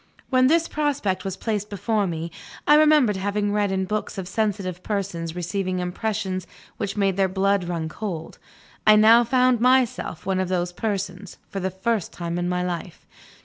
When this prospect was placed before me, I remembered having read in books of sensitive persons receiving impressions which made their blood run cold; I now found myself one of those persons, for the first time in my life.